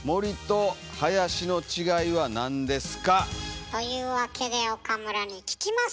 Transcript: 何でしょう？というわけで岡村に聞きます。